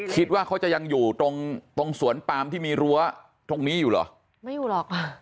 คิดว่าเขาจะยังอยู่ตรงตรงสวนปามที่มีรั้วตรงนี้อยู่เหรอไม่อยู่หรอกค่ะ